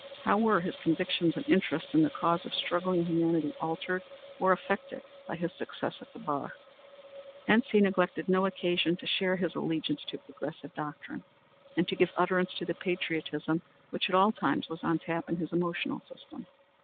How were his convictions and interest in the cause of struggling humanity altered or affected by his success at the bar? Hence he neglected no occasion to declare his allegiance to progressive doctrine, and to give utterance to the patriotism which at all times was on tap in his emotional system.